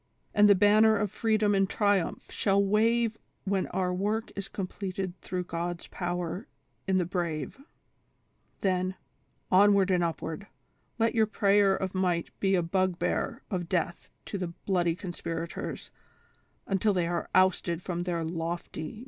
' and the banner of freedom in triumph shall wave when our work is completed through God's power in the brave ; then, onward and upward, let your prayer of might be a bugbear of death to the bloody conspirators until they are ousted from their lofty